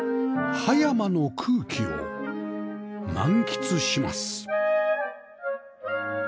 葉山の空気を満喫します